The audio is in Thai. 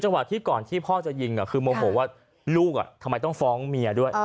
ที่ก่อนที่พ่อจะยิงคือโมโหว่าลูกทำไมต้องฟ้องเมียด้วย